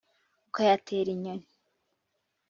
ukayatera inyoni”